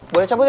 boleh cabut ya